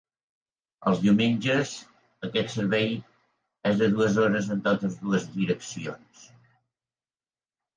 Els diumenges, aquest servei és de dues hores en totes dues direccions.